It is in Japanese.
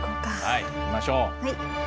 はい行きましょう。